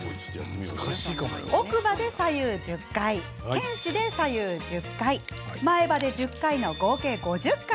奥歯で左右１０回犬歯で左右１０回前歯で１０回、合計５０回。